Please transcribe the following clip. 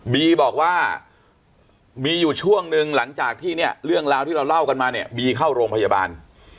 บีบอกว่ามีอยู่ช่วงหนึ่งหลังจากที่เนี่ยเรื่องราวที่เราเล่ากันมาเนี่ยบีเข้าโรงพยาบาล